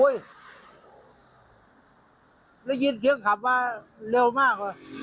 ได้ยินเครื่องขับมาเร็วมากว่ะ